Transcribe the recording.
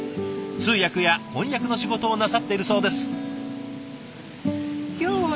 通訳や翻訳の仕事をなさっているそうです。